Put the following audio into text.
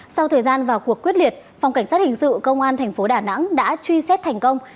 sau thời gian vào cuộc quyết liệt phòng cảnh sát hình sự công an thành phố đà nẵng đã truy xét thành công